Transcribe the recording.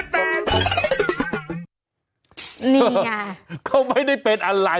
เป็นอะไรอะไม่ได้เป็นอะไร